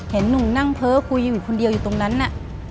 เห็นหนุ่มนั่งเพ้อคุยอยู่คนเดียวอยู่ตรงนั้นน่ะ